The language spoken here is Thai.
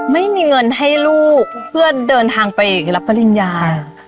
ไม่มีเงินให้ลูกเพื่อเดินทางไปรับปริญญา